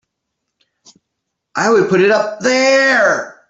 I would put it up there!